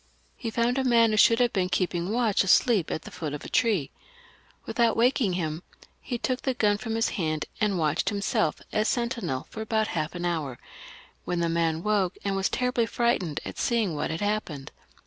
He found a man who should have been keeping watch asleep at the root of a tree. Without waking him he took the gun from his hand, and watched himself as sentinel for about half an hour, when the man woke, and was terribly frightened at seeing what had happened.